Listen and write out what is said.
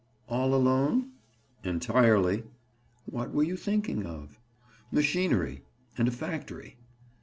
"All alone?" "Entirely." "What were you thinking of?" "Machinery. And a factory."